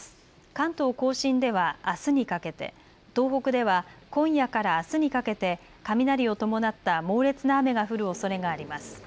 関東甲信ではあすにかけて、東北では今夜からあすにかけて雷を伴った猛烈な雨が降るおそれがあります。